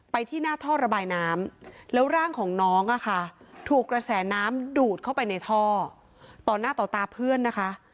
ที่หน้าท่อระบายน้ำแล้วร่างของน้องอะค่ะถูกกระแสน้ำดูดเข้าไปในท่อต่อหน้าต่อตาเพื่อนนะคะ